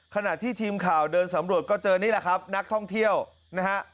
ขณะที่ทีมข่าวเดินสำรวจก็เจอนี่แหละครับนักท่องเที่ยวนะฮะ